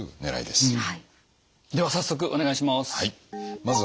では早速お願いします。